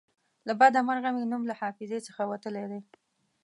له بده مرغه مې نوم له حافظې څخه وتلی دی.